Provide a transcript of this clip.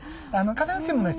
必ずしもね